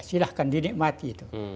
silahkan dinikmati itu